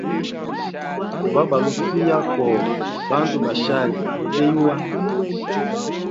Lwa balufiya koho bandu ba shali balugeyuwa.